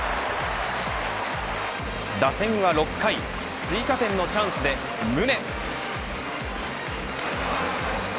打線は６回追加点のチャンスで宗。